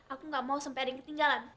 aku gak mau sampai ada yang ketinggalan